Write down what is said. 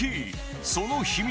その秘密は